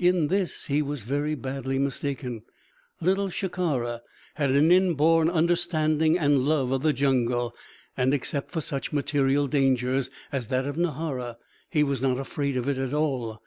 In this he was very badly mistaken. Little Shikara had an inborn understanding and love of the jungle; and except for such material dangers as that of Nahara, he was not afraid of it at all.